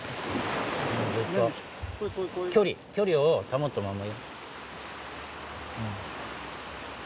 距離距離を保ったまんまよ。